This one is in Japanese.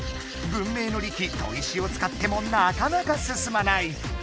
文明の利器砥石を使ってもなかなかすすまない！